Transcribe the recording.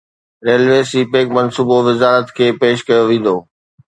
railway CPEC منصوبو وزارت کي پيش ڪيو ويندو